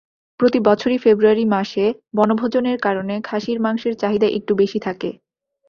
প্রতিবছরই ফেব্রুয়ারি মাসে বনভোজনের কারণে খাসির মাংসের চাহিদা একটু বেশি থাকে।